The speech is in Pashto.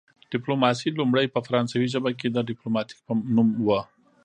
ډیپلوماسي لومړی په فرانسوي ژبه کې د ډیپلوماتیک په نوم وه